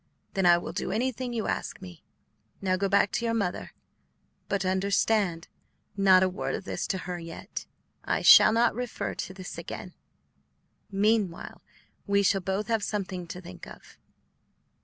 Then I will do anything you ask me. Now go back to your mother, but understand, not a word of this to her yet. I shall not recur to this again; meanwhile we shall both have something to think of."